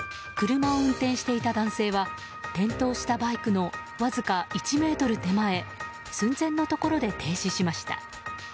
車を運転していた男性は転倒したバイクのわずか１ｍ手前寸前のところで停止しました。